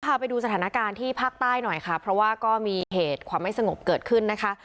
พาไปดูสถานการณ์ที่ภาคใต้หน่อยค่ะเพราะว่าก็มีเหตุความไม่สงบเกิดขึ้นนะคะ